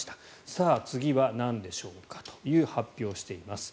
さあ、次はなんでしょうかという発表をしています。